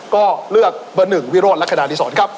ก็เลือกเบอร์๑วิโรธและขนาดที่สองครับ